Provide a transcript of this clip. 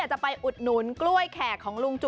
แล้วเราแค่นี้ผมก็อยากทุกคนสู้นะ